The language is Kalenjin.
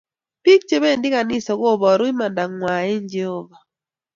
Bik che bendi kanisa koboru imanda ngwai eng Jehova